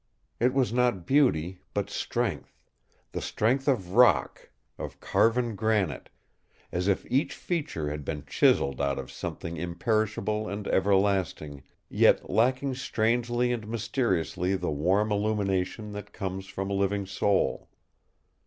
It was not beauty, but strength the strength of rock, of carven granite, as if each feature had been chiseled out of something imperishable and everlasting, yet lacking strangely and mysteriously the warm illumination that comes from a living soul.